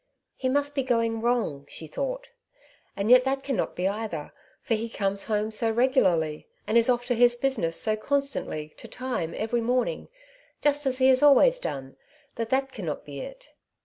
^'^He must be going wrong,^^ she thought; ^^and yet fchat cannot be either, for he comes home so regularly, and is oflf to his business so constantly to time every morning, just as he always has done, that that can not be it.